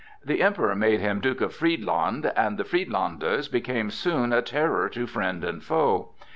The Emperor made him Duke of Friedland, and "the Friedlanders" became soon a terror to friend and foe.